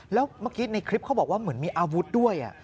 แล้วเมื่อกี้ในคลิปเขาบอกว่าเหมือนมีอาวุธด้วย